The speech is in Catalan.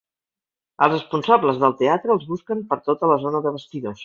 Els responsables del teatre els busquen per tota la zona de bastidors.